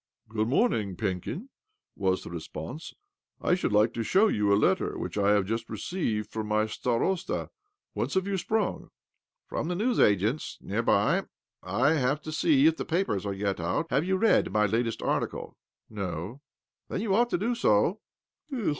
" Good morning, Penkin," was the re sponse. " I should like to show you a letter which I have just received from my starosta. Whence have you sprung?" " From the newsagent's, near by. I went to see if the papers are yet out. Have you read my latest article ?" OBLOMOV 35 "No." " Then you ought to do so."